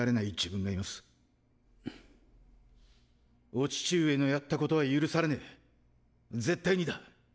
お父上のやったことは許されねぇ絶対にだ。